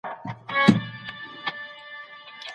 د غلا سزا عبرتناکه ده.